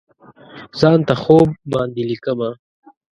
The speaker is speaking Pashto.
ځان ته خوب باندې لیکمه